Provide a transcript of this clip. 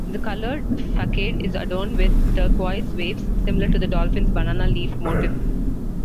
The colored facade is adorned with turquoise waves similar to the Dolphin's banana-leaf motif.